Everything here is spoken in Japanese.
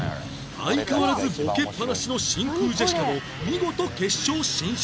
相変わらずボケっぱなしの真空ジェシカも見事決勝進出